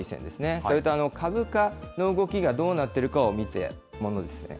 それと株価の動きがどうなっているかを見たものですね。